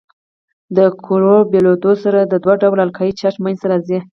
د کرو بېلېدو سره دوه ډوله القایي چارج منځ ته راځي.